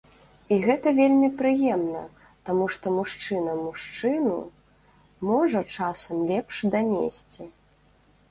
І гэта вельмі прыемна, таму што мужчына мужчыну можа часам лепш данесці.